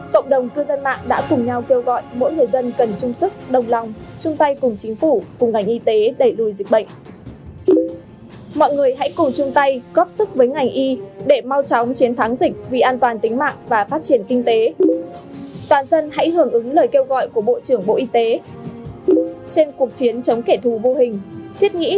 cộng đồng cư dân mạng đã cùng nhau kêu gọi mỗi người dân cần chung sức đồng lòng